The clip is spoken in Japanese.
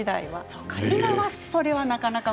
今は、それはなかなか。